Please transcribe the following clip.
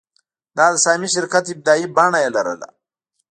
دا د سهامي شرکت ابتدايي بڼه یې لرله.